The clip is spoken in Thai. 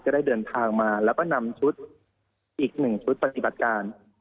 ได้เดินทางมาแล้วก็นำชุดอีก๑ชุดปฏิบัติการ